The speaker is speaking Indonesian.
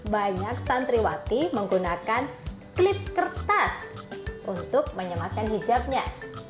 banyak santriwati menggunakan klip kertas untuk menyematkan hijabnya